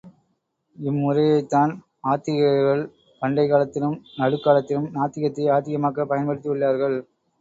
இம்முறையைத்தான் ஆத்திகர்கள் பண்டைக் காலத்திலும், நடுக் காலத்திலும் நாத்திகத்தை ஆத்திகமாக்கப் பயன்படுத்தியுள்ளார்கள்.